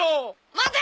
待て！